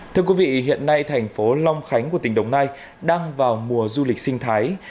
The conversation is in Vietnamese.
thưa quý vị hiện nay thành phố long khánh của tỉnh đồng nai đang vào mùa du lịch sinh thái